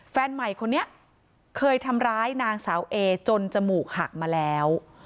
แฟนใหม่คนนี้เคยทำร้ายนางสาวเอจนจมูกหักมาแล้ว